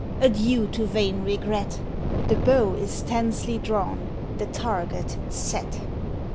Adieu to vain regret! The bow is tensely drawn—the target set.